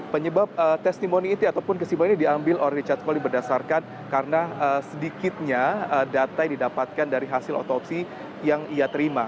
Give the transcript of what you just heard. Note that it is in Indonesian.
penyebab testimoni itu ataupun kesimpulan ini diambil oleh richard coli berdasarkan karena sedikitnya data yang didapatkan dari hasil otopsi yang ia terima